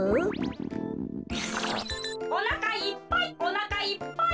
「おなかいっぱいおなかいっぱい！」。